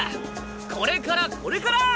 これからこれから！